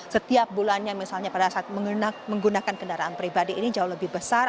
setiap bulannya misalnya pada saat menggunakan kendaraan pribadi ini jauh lebih besar